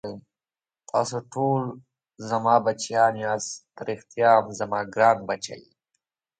تاسې ټوله زما بچیان یاست، ته ريښتا هم زما ګران بچی یې.